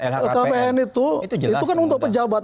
lhkpn itu kan untuk pejabat